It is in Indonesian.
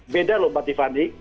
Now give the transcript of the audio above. beda loh mbak tiffany